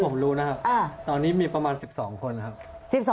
ผมรู้นะครับตอนนี้มีประมาณ๑๒คนครับ